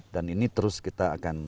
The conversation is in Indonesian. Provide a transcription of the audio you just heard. dan ini terus kita akan